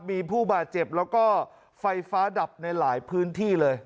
มีผู้บาดเจ็บแล้วก็ไฟฟ้าดับในหลายพื้นที่เลย